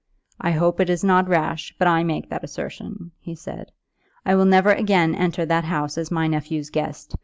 "I hope it is not rash, but I make that assertion," he said. "I will never again enter that house as my nephew's guest.